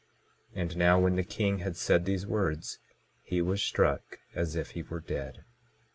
And now when the king had said these words, he was struck as if he were dead.